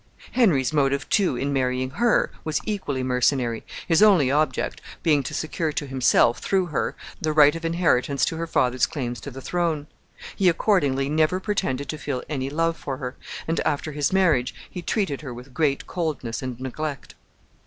Henry's motive, too, in marrying her, was equally mercenary, his only object being to secure to himself, through her, the right of inheritance to her father's claims to the throne. He accordingly never pretended to feel any love for her, and, after his marriage, he treated her with great coldness and neglect.